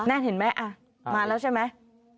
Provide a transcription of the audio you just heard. นั่นเห็นไหมมาแล้วใช่ไหม